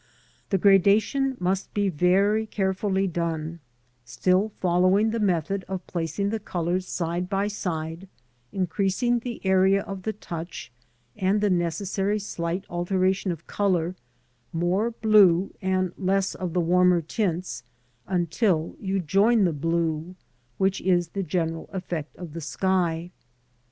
The gradation must be very carefully done, still following the method of placing the colours side by side, increasing the area of the touch and the necessary slight alteration of colour, more blue and less of the warmer tints, until you join the blue, which is the general effect of the sky.